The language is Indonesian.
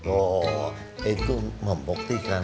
oh itu membuktikan